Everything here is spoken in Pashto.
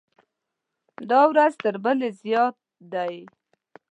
دا ورځ تر بلې زیات ده.